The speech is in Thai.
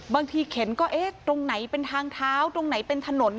เข็นก็เอ๊ะตรงไหนเป็นทางเท้าตรงไหนเป็นถนน